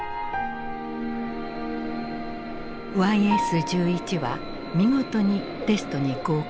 ＹＳ−１１は見事にテストに合格。